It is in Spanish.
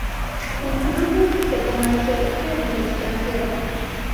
Incluso si se comercializa en el extranjero.